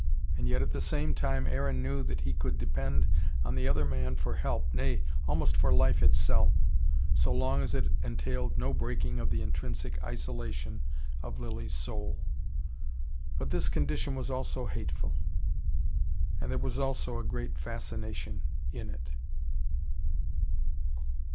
And yet at the same time Aaron knew that he could depend on the other man for help, nay, almost for life itself so long as it entailed no breaking of the intrinsic isolation of Lilly's soul. But this condition was also hateful. And there was also a great fascination in it.